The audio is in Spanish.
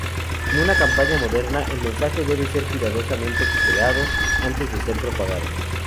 En una campaña moderna, el mensaje debe ser cuidadosamente creado antes de ser propagado.